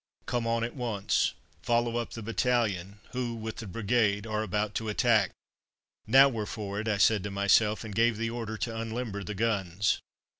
"Come on at once, follow up the battalion, who, with the brigade, are about to attack." "Now we're for it," I said to myself, and gave the order to unlimber the guns.